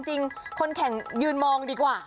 จริงคนแข่งยืนมองดีกว่า